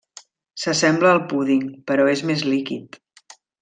S'assembla al púding, però és més líquid.